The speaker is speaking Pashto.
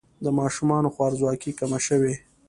د ماشومانو خوارځواکي کمه شوې؟